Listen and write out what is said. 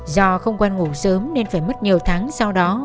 do không quan ngủ sớm nên phải mất nhiều tháng sau đó